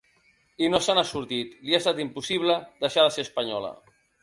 I no se n’ha sortit, li ha estat impossible deixar de ser espanyola.